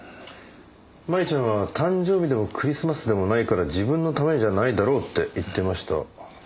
麻衣ちゃんは誕生日でもクリスマスでもないから自分のためじゃないだろうって言ってました。